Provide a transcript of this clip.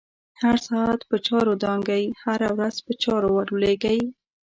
هر ساعت په چاور دانگی، هره ورځ په چا ورلویږی